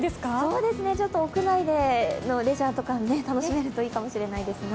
そうですね、ちょっと屋内でのレジャーとか楽しめるといいかもしれないですね。